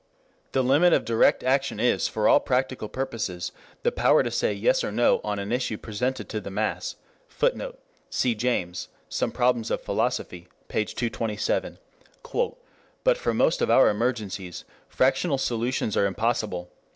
The limit of direct action is for all practical purposes the power to say Yes or No on an issue presented to the mass. [Footnote: Cf. James, Some Problems of Philosophy, p. 227. "But for most of our emergencies, fractional solutions are impossible.